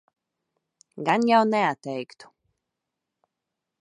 Gan jau neatteiktu.